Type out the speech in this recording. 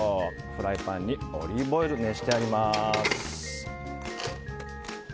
フライパンにオリーブオイルを熱してあります。